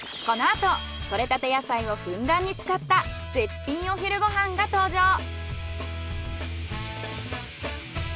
このあと採れたて野菜をふんだんに使った絶品お昼ご飯が登場！